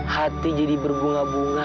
hati jadi berbunga bunga